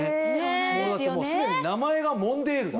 だってすでに名前が「モンデール」だもん。